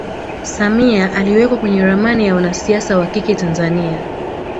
samia aliwekwa kwenye ramani ya wanasiasa wakike tanzania